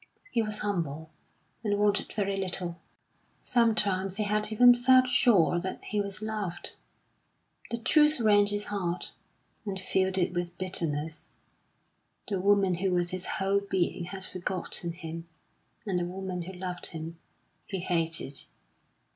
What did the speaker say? He was humble, and wanted very little. Sometimes he had even felt sure that he was loved. The truth rent his heart, and filled it with bitterness; the woman who was his whole being had forgotten him, and the woman who loved him he hated....